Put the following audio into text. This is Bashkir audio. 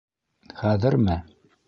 Хәҙерме?